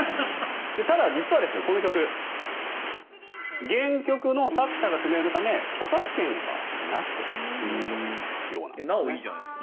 ただ、実はこの曲原曲の作者が不明のため著作権はなしということのようです。